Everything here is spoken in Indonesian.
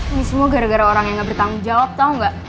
ini semua gara gara orang yang gak bertanggung jawab tau gak